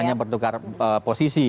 hanya bertukar posisi